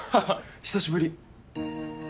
久しぶり